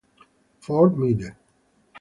Fort Meade